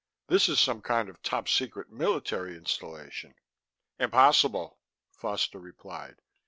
This is some kind of Top Secret military installation." "Impossible," Foster replied.